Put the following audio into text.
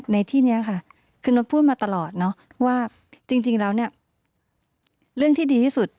ในที่นี้ค่ะคือนดพูดมาตลอดเนอะว่าจริงแล้วเนี่ยเรื่องที่ดีที่สุด